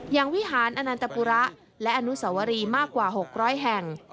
วิหารอนันตปุระและอนุสวรีมากกว่า๖๐๐แห่ง